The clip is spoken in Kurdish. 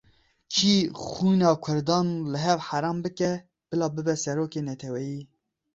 Kî xwîna kurdan li hev heram bike, bila bibe serokê neteweyî.